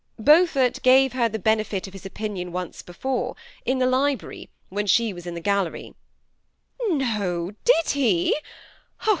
*^ Beaufort gave her the benefit of his opinion once before, in the library, when she was in the gallery." " No, did he